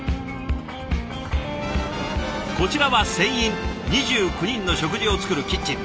こちらは船員２９人の食事を作るキッチン。